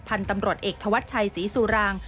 พันธุ์ตำรวจเอกธวัชชัยศรีสุราง